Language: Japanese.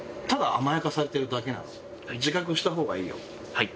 はい。